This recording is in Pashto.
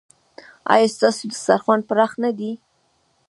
ایا ستاسو دسترخوان پراخ نه دی؟